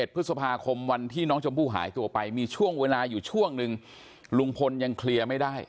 พฤษภาคมวันที่น้องชมพู่หายตัวไปมีช่วงเวลาอยู่ช่วงหนึ่งลุงพลยังเคลียร์ไม่ได้